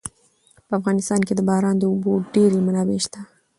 په افغانستان کې د باران د اوبو ډېرې منابع شته.